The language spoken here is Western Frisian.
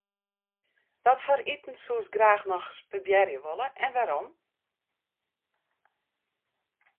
Watfoar iten soest graach nochris probearje wolle en wêrom?